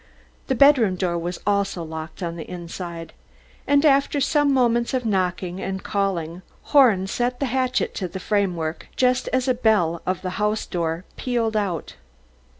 The bedroom door also was locked on the inside, and after some moments of knocking and calling, Horn set the hatchet to the framework just as the bell of the house door pealed out.